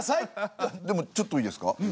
でもちょっといいですか？